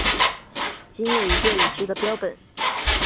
仅有一个已知的标本。